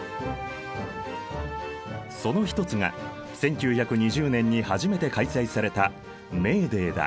その一つが１９２０年に初めて開催されたメーデーだ。